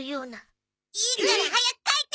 いいから早く描いて！